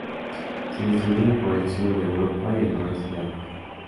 Se distribuyen por el sur de Europa y el noroeste de África.